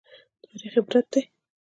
تاریخ عبرت دی